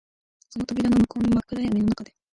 その扉の向こうの真っ暗闇の中で、